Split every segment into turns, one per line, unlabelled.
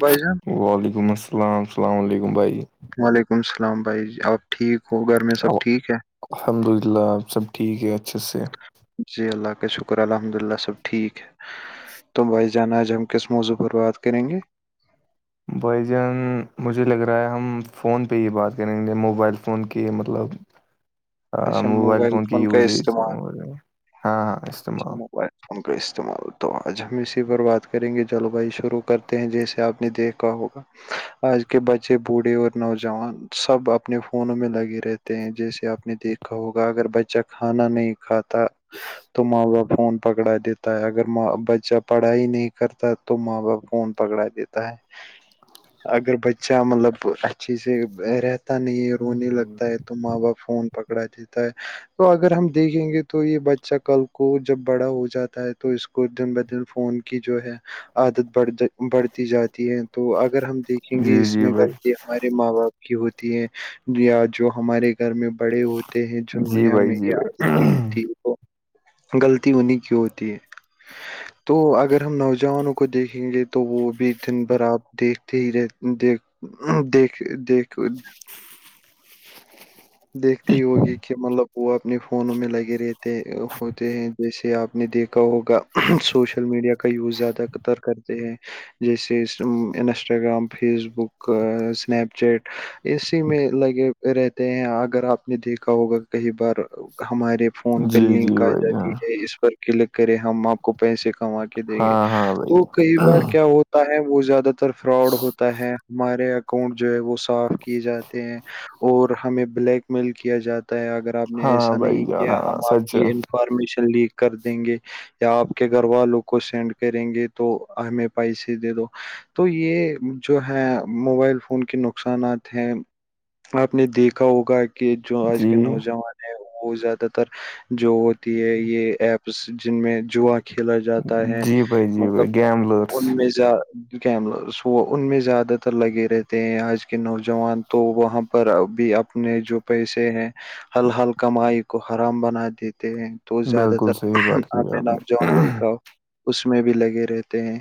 by جان
وعلیکم السلام السلام علیکم بھائی
وعلیکسلام بھائی جی آپ ٹھیک ہوگا
الحمد للہ آپ سب ٹھیک ہے اچھے سے
جی اللہ کا شکر الحمد اللہ سب ٹھیک ہے توم بھائی جانا آج ہم کس موضوع پر بات کریں گے
بھائی جان مجھے لگ رہا ہے ہم فون پہ ہی بات کریں گے موبائل فون کی مطلب
اچھا
موبائل فون کی
کا
یوزج
استعمال
اور ہاں ہاں
اچھا
استعمال
موبائل فون کا استعمال تو آج ہم اسی پر بات کریں گے جلوائی شروع کرتے ہیں جیسے آپ نے دیکھا ہوگا آج کے بچے بوڑھے اور نوجوان سب اپنے فونوں میں لگے رہتے ہیں جیسے آپ نے دیکھا ہوگا اگر بچہ کھانا نہیں کھاتا تو ماں باپ فون پکڑا دیتا ہوتا ہے اگراں بچہ پڑھائی نہیں کرتا تو ماں باپ کون پکڑا دیتا ہے اگر بچےا مطلب اچ سے رت تا نہیں ہے رونے لگتا ہے تو ماں باپ فون پکڑا جتا ہے تو اگر ہم دیکھیں گے تو یہ بچہ کل کو جب بڑا ہو جاتا ہے تو اس کچ دن ب دن فون کی جو ہے عادت بڑھ ج بڑھتی جاتی ہے تو اگر ہم دیکھیں گے
جی
اس
جی
میں
بھائی
غلطیاں ہمارے ماں باپ کی ہوتی ہے یا جو ہمارے گھر میں بڑے ہوتے ہیں جنہوں
جی
نے
بھائی
ہمیں
جی
عیادت کی
بھائی
تھی غلطی انہیں کیوں ہوتی ہے تو اگر ہم نوجوانوں کو دیکھیں گے تو وہ بھی دن بھر آپ دیکھتے ہی رہ دیکھ دیکھ دیکھ دیکھتی ہوگی کہ مطلب وہ اپنے فونوں میں لگے رہتے ہیں ہوتے ہیں جیسے آپ نے دیکھا ہوگا سوشل میڈیا کا یوز زیادہ تر کرتے ہیں جیسے Instagram Facebook Snapchat اسی میں لگے رہتے ہیں اگر آپ نے دیکھا ہوگا کئی بار ہمارے فون پہ
جی جی
لنک آ
بھائی
جاتی
جان
ہے اس پر کلک کرے ہم آپ کو پیسے کما کے دیں گے
ہاں ہاں
تو کئی بار
بھائی
کیا ہوتا ہے وہ زیادہ فراڈ ہوتا ہے ہمارے اکاؤنٹ جو ہے وہ صاف کیے جاتے ہیں اور ہمیں بلیک میل کیا جاتا ہے اگر آپ نے
ہاں
ایسا
بھائی
نہیں
جان
کیا
ہاں
ہم آپ
سچ ہے
کی انفارمیشن لکھ کر دیں گے یا آپ کے گھر والوں کو سینڈ کریں گے تو ہمیں پیسے دے دو تو یہ جو ہے موبائل فون کے نقصانات ہیں آپ نے دیکھا ہوگا کہ جو آج
جی
کے نوجوان ہیں وہ زیادہ تر جو تی ہے یہ ایپس جن میں جوعا کھیلا جاتا ہے
جی بھائی جی
مطلب
بھائی گیملرس
ان میں ان میں زیادہ تر لگے رہتے ہیں آج کے نوجوان تو وہاں پر بھی ا اپنے جو پیسے ہیں ہل ہل کمائی کو حرام بنا دیتے ہیں تو زیادہ
بالکل
تر
صحیح بات کی
آپ نے نوجان دیکھا اس میں بھی لگے رہتے ہیں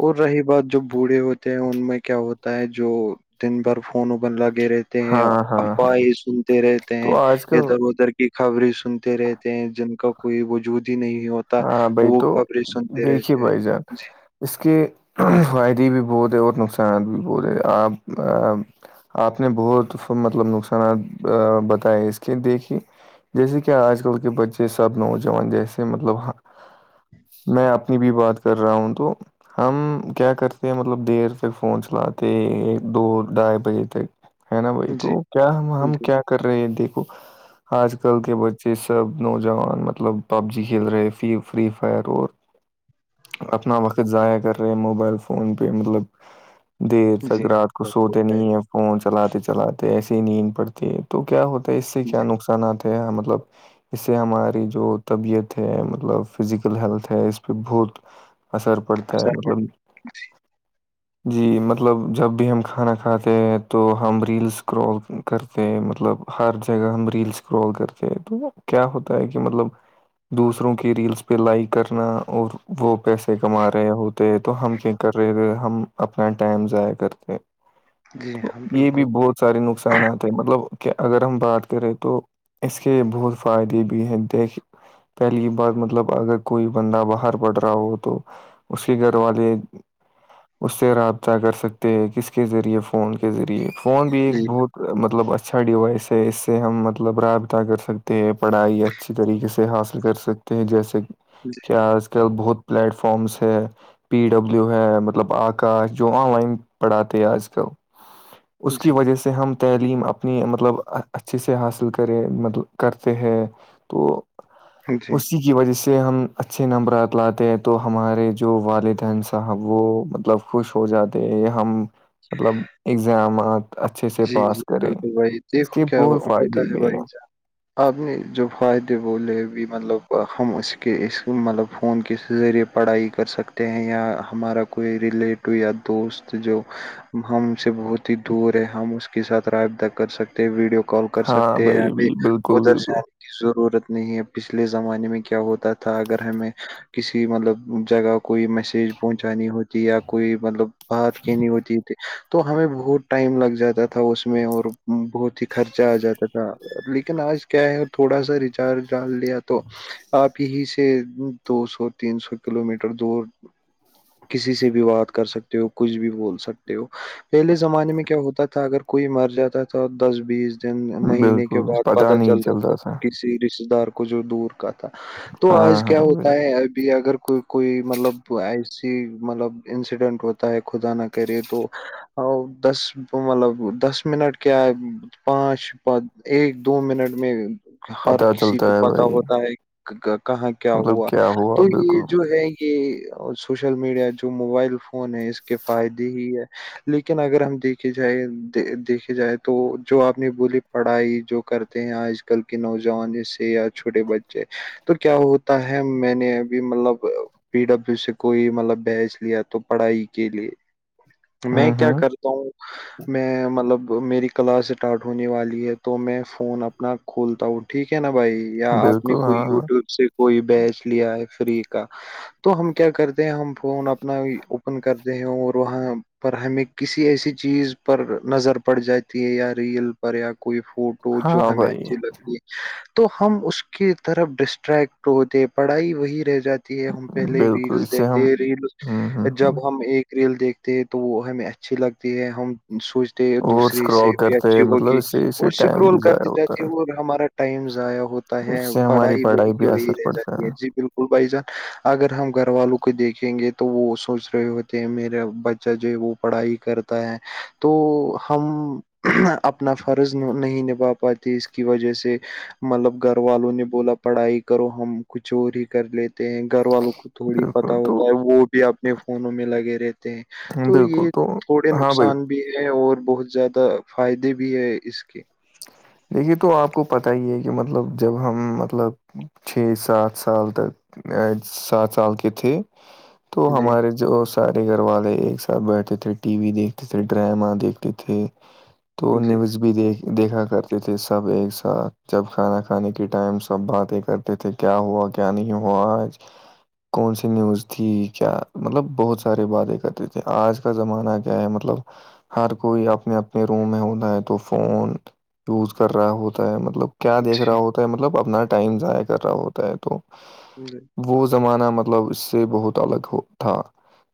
اور رہی بات جو بوڑھے ہوتے ہیں ان میں کیا ہوتا ہے جو دن بار فون اوبن لگے رہے تھ
ہاں ہاں
افواہ سنتے رہتے
تو
ہیں
آج کل
ادھر ادھر کی خبریں سنتے رہتے ہیں ان کا کوئی وجود ہی نہیں ہوتا
ہاں بھائی
وہ
تو
خبریں سنتے
دیکھیے
رہتے ہیں
بھائی جان
جی
اس کے فائدے بھی بہت ہے اور نقصانات بھی بہت ہے آپ آپ نے بہت مطلب نقصانات بتائے اس کے دیکھیے جیسے کہ آج کل کے بچے سب نوجوان جیسے مطلب میں اپنی بھی بات کر رہا ہوں تو ہم کیا کرتے ہیں مطلب دیر سے فون چلاتے دو ڈھائی بجے تک ہے نا بھائی
جی
تو کیا ہم
جی
کیا کر رہے ہیں دیکھو آج کل کے بچے سب نوجوان مطلب پب جی کھیل رہے فی فری فائر اور اپنا وقت ضائع کر رہے ہیں موبائل فون پہ مطلب دیر
جی
تک رات کو
بالکل
سوتے
بھائی
نہیں ہیں فون چلاتے چلاتے ایسے ہی نیند پڑتی ہے تو کیا ہوتا ہے اس سے کیا
جی
نقصاناتتا ہے مطلب اس سے ہماری جو طبیعت مطلب فزیکل ہیلتھ ہے اس پہ بہت اثر پڑتا ہے
اثر
مطلب
[unintelligible]
جی مطلب جب بھی ہم کھانا کھاتے ہیں تو ہم ریلس کرول کرتے ہیں مطلب ہر جگہ ہم ریلس کررال کرتے ہیں تو کیا ہوتا ہے کہ مطلب دوسروں کے ریلس پہ لائک کرنا اور وہ پیسے کما رہے ہوتے تو ہم کر رہے تھے ہم اپنا ٹائم ضائع کرتے
جی
تو
ہاں
یہ بھی
بالکل
بہت سارے نقصانات ہیں مطلب کہ اگر ہم بات کریں تو اس کے بہت فائدے بھی ہیں [inaudible] [inaudible] پہلی بات مطلب اگر کوئی بندہ باہر پڑ رہا ہو تو اس کے گھر والے اس سے رابطہ کر سکتے ہیں کس کے ذریعے فون کے ذریعے فون بھی ایک
بھائی جی
بہت مطلب اچھا ڈیوائس ہے اس سے ہم مطلب رابطہ کر سکتے ہیں پڑھائی اچھی طریقے سے حاصل کر سکتے ہیں جیسے
جی
کیا اس کا بہت پلیٹ فارم سے ہے- پی ڈبلیو ہے مطلب آکاش جو آن لائن پڑھاتے ہیں آج کل- اس کی
جی
وجہ سے سے ہم تعلیم اپنی مطلب اچھے سے حاصل کریں م کرتے ہیں- تو
جی
اسی کی وجہ سے ہم اچھے نمبرات لاتے ہیں تو ہمارے جو والدین صاحب وہ مطلب- خوش ہو جاتے ہیں ہم مطلب اگزامات- اچھے سے
جی- جی
پاس کریں
بالکل
اس
بھائی
کے
دیکھو کیا
بہت
ہوتا
فائدے
ہے
بھی ہیں
بھائی- آپ نے جو فائدے وہ لے بھی مطلب ہم اس کے اس مطلب فون کے ذریعے- پڑھائی کر سکتے ہیں یا ہمارا کوئی ریلیٹو یا دوست جو- ہم سے بہت ہی دور ہے ہم اس کے ساتھ رائےدہ کر سکتے ہیں ویڈیو- کال کر
ہاں
سکتے ہیں
بھائی
ابھی
بالکل
ادھر
بالکل
سے- ضرورت نہیں ہے، پچھلے زمانے میں کیا ہوتا تھا اگر ہمیں کسی مطلب جگہ کوئی میسج پہنچانی ہوتی یا کوئی مطلب- بات کہنی ہوتی تھی تو ہمیں بہت ٹائم لگ جاتا تھا اس میں اور بہت ہی- خرچہ آ جاتا تھا لیکن آج کیا ہے تھوڑا سا ریچارج ڈال لیا تو- آپ ہی سے دو سو تین سو کلو میٹر دور- کسی سے بھی بات کر، سکتے ہو کچھ بھی بول سکتے ہو پہلے زمانے میں- کیا ہوتا تھا اگر کوئی مر جاتا تھا دس بیس- مہینے کے
بالکل
بعد پتا
نہیں
چل رہا
چلتا
س
تھا
کس- رشتے دار کو جو دور کا تھا تو
ہاں
آج کیا
ہاں بھائی
ہوتا ہے ابھی اگر کوئی- کوئی مطلب ایسی مطلب انسیڈنٹ ہوتا ہے خدا نہ کہہ رہے تو دس- تو مطلب دس منٹ کیا پانچ پ ایک دو منٹ میں- ہر
پتا
کسی کو
چلتا ہے
پتا
بھائی
ہوتا ہے کہاں کیا
مطلب
ہوا
کیا ہوا
تو یہ
بالکل
جو ہے- کہ سوشل میڈیا جو موبائل فون ہے، اس کے فائدے ہی ہے- لیکن اگر ہم دیکھ جائے دیکھے جائے تو جو آپ نے بولی پڑھائی جو کرتے ہیں آج ک- کل کے نوجوان سے یا چھوٹے بچے تو کیا ہوتا ہے میں نے ابھی مطلب- پی ڈبلو سے کوئی مطلب بیچ لیا تو پڑھائی کے لیے- میں، کیا کرتا ہوں- میں مطلب میری کلاس اسٹارٹ ہونے والی ہے تو میں فون اپنا کھولتا ہوں ٹھیک ہے نا بھائی یا آپ نے
بالکل
کوئی
ہاں ہاں
یوٹیوب سے- کوئی بیچ لیا ہے فری کا- تو ہم کیا کرتے ہیں ہم فون اپنا اوپن کرتے ہیں اور وہاں پر ہمیں کسی ایسی- چیز, پر نظر پڑ جاتی ہے یا ریل پر یا کوئی فوٹو- تو جو
ہاں
ہے م
بھائی
اچھی لگتی ہے- تو ہم اس کی طرف ڈسٹریکٹ ہوتے پڑھائی وہی رہ جاتی ہم پہلے
بالکل اس
ریلس
سے ہم
دیکھتے ہیں
ہ ہ
ریل
ہ
جب ہم ایک- ریل دیکھتے ہیں تو وہ ہمیں اچھی لگتی ہے ہم- سوچتے
اور
دوسری سے
اسکرال
بھی
کرتے
اچھی
ہیں مطلب
ہوگی
اس سے اس سے
اور
ٹائم
سکرول
بھی
کر
ضائع
دیتا
ہوتا ہے
تھے اور ہمارا ٹائم ضائع ہوتا ہے
اس سے ہماری
پڑھائی وہی کی
پہ
وہی
اثر
رہ
پڑتا
جاتی ہے جی بالکل- بھائی جان اگر ہم گھر والوں کو دیکھیں گے تو وہ سوچ رہے ہوتے ہیں میرا بچہ جو ہے وہ- پڑھائی کرتا ہے تو ہم- اپنا فرض نہیں نبھا پاتے اس کی وجہ سے مطلب گھر والوں نے بولا- پڑھائی کرو، ہم کچھ اور ہی کر لیتے- ہیں گھر والوں کو تھوڑی پتتا
بالکل تو
ہوتا ہے وہ بھی اپنے فونوں میں لگے رہتے ہیں-
بالکل تو
بڑے
ہاں بھائی
نقصان بھی ہے اور بہت زیادہ فائدے بھی ہے اس کے-
دیکھیے تو آپ کو پتا ہی ہے کہ مطلب جب ہم مطلب- چھ سات- سال تک سات سال کے تھے- تو
جی
ہمارے جو سارے گھر والے ایک ساتھ بیٹھتے تھے ٹی وی دیکھتے تھے ڈرامہ دیکھتے تھے تو
جی
نیوز بھی دیکھ دیکھا کرتے تھے سب ایک ساتھ جب کھانا کھانے کے ٹائم سب باتیں کرتے کہ تھے کیا ہوا کیا نہیں ہوا آج کون سی نیوز تھی کیا مطلب بہت سارے باتیں کرتے تھے آج کا زمانہ کیا ہے مطلب ہر کوئی اپنے اپنے روم میں ہوتا ہے تو فون یوز کر رہا ہوتا ہے مطلب کیا دیکھ رہا
جی
ہو مطلب اپنا ٹائم ضائع کر رہا ہوتا ہے تو
ج جی
وہ زمانہ مطلب اس سے بہت الگ ہو تھا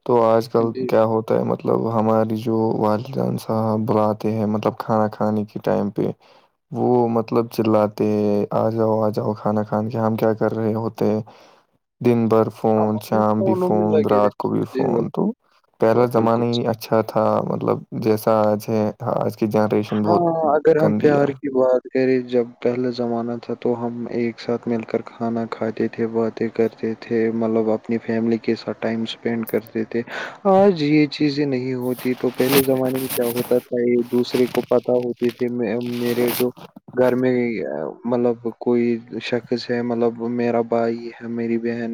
تو آج کل
جی
کیا ہوتا مطلب ہماری جو والدین صاحب بلاتے ہیں مطلب کھانا کھانے کی ٹائم پہ وہ مطلب چلاتے آ جاؤ آ جاؤ کھانا کھان کے ہم کیا کر رہے ہوتے دن بھر فون
ہم اپنے
شام بھی
فونوں میں
فون
لگے
رات کو بھی
رہتے ہیں جی
فون تو
بالکل
پہلا
بات
زمانہ
بالکل
ہی اچھا اچھا تھا مطلب جیسا آج ہے آج کی جنریشن بہت
کر ہم
گندی
پیار
ہے
کی بات کرے جب پہلاے زمانہ تھا تو ہم ایک ساتھ مل کر کھانا کھاتے تھے بہ کرتے تھے مطلب اپنی فیملی کے ساتھ ٹائم اسپینڈ کرتے تھے آج یہ چیزیں نہیں ہوتی تو پہلے زمانے میں کیا ہوتا تھا یہ دوسرے کو کو پت ہوتی تھی میں میرے جو گھر میں مطلب کوئی شخص ہے مطلب میرا بھائی میری بہن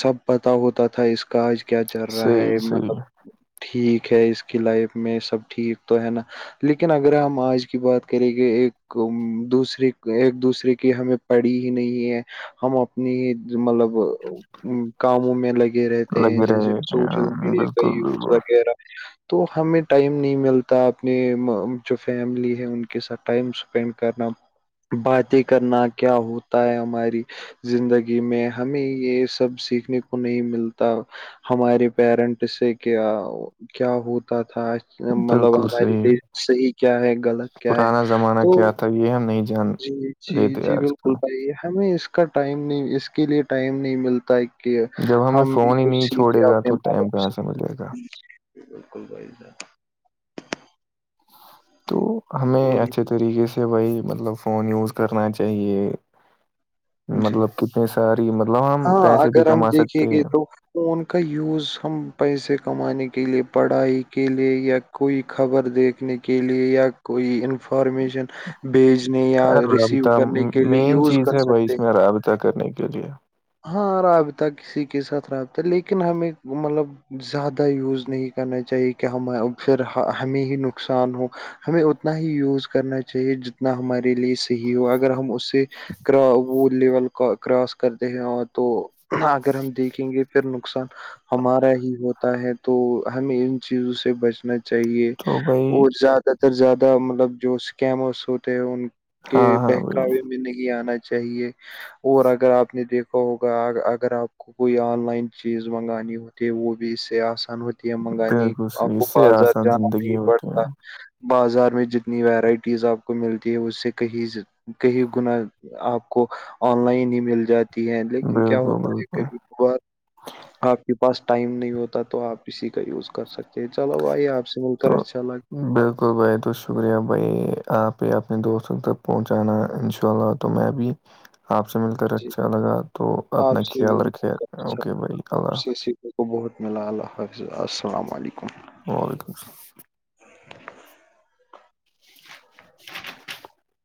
سب پتا ہوتا تھا اس کاج کیا چل رہا
صحیح
ہے مطلب
صحیح
ٹھیک ہے اس کی لائف میں سب ٹھیک تو ہے نا لیکن اگر ہم آج کی بات کریں کہے ایک دوسرے ایک دوسرے کی ہمیں پڑی ہی نہیں ہے ہم اپنی مطلب کاموں میں لگ رہتے ہیں
لگے
جیسے
رہے تھے
سوشل
ہاں
میڈیا کا
بالکل
یوز
بالکل
وغیرہ تو ہمیں ٹائم نہیں ملتا اپنے جو فیملی ہے ان کے ساتھ ٹائم اسپینڈ کرنا باتیں کرنا کیا ہوتا ہے ہماری زندگی میں ہمیں یہ سب سیکھنے کو نہیں ملتا ہمارے پیرنٹ سے کیا کیا ہوتا تھا مطلب
بالکل
ہمارے
صحیح
لیے صحیح کیا ہے غلط کیا ہے تو
تب یہ ہم نہیں جانتے
جی جی جی بالکل بھائی ہمیں اس کا ٹائم نہیں اس کے لیے ٹائم نہیں ملتا کہ
جب ہمیں
ہم بھی
فون ہی
کچھ
نہیں
سھے
چھوڑے گا
اپنے
تو
ماں
ٹائم
باپ
کہاں سے ملے گا
سے بالکل بی
تو ہمیں
اور
اچھے طریقے سے وہی مطلب فون یوز کرنا چاہیے
جی
مطلب کتنی ساری مطلب ہم
ہاں
پیسے بھی
اگر ہم
کما
دیکھیں
سکتے
گے
ہیں
تو فون کا یوز ہم پیسے کمانے کے لیے پڑھائی کے لیے یا کوئی خبر دیکھنے کے لیے یا کوئی ان انفارمیشن بھیجنے یا
یار
ریسیو
رابطہ
کرنے کے لیے
مین
یوز
چیز
کر
ہے بھائی
سکتے
اس میں
ہیں
رابطہ کرنے کے لیے
ہاں رابط کسی کے ساتھ رابطہ لیکن ہمیں مطلب زیادہ یوز نہیں کرنا چاہیے کہ ہمیں پھر ہمیں ہی نقصان ہو ہمیں اتنا ہی یوز کرنا چاہیے جتنا ہمارے لیے ہی ہو اگر ہم اسےا وہ لیول کراس کرتے اور تو اگر ہم دیکھیں گے پھر نقصان ہمارا ہی ہوتا ہے تو ہمیں ان چیزوں سے بچنا چاہے
تو بھائی
اور زیادہ تر زیادہ مطلب جو اسکیمرس ہوتے ہیں ان کہ
ہاں ہاں بھائی
بہکوے میں نہیں آنا چاہیے اور اگر آپ نے دیکھا ہوگا اگر آپ کو کوئی آن لائن چیز منگانی ہوتی وہ بھی اس سے آسان ہوتی چٹیاں منگانی
بالکل
آپ
صحیح اس
کو
سے
بازار
آسان
جانا
زندگی
نہیں
ہوتی ہے
پڑتا بازار میں جتنی ویرائٹیز آپ کو ملتی ہے اس سے کہ کہی گنا آپ کو آن لائن ہی مل جاتی ہے لیکن کیا
بالکل
ہوتا ہے
بالکل
کبھیار آپ کے پاس ٹائم نہیں ہوتا تو آپ اسسی کا یوز کر سکتے ہیں چلو بھائی آپ سے مل کر
تو
اچھا لگ
بالکل بھائی تو شکریہ بھائی آپ ہی اپنے دوستوں تک پہنچانا ان شاء اللہ تو میں ابھی آپ سے مل کر
جی
اچھا لگا تو اپنا
آپ سے بھی
خیال
مل
رکھے
کر اچھا
اوکے بھائی
آپ
اللہ
سے
حافظ
سیکھنے بہت ملا اللہ حافظ السلام علیکم
وعلیکم السلام [inaudible]